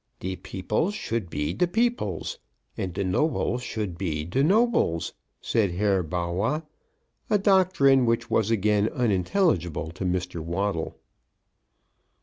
"De peoples should be de peoples, and de nobles should be de nobles," said Herr Bawwah; a doctrine which was again unintelligible to Mr. Waddle.